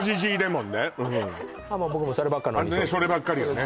僕もそればっか飲みそうですそればっかりよね